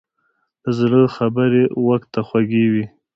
له زړه خبرې غوږ ته خوږې وي.